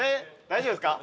大丈夫ですか？